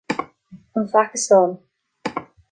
An Phacastáin